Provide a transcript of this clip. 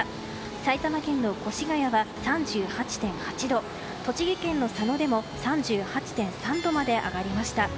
埼玉県の越谷は３８．８度栃木県の佐野でも３８．３度まで上がりました。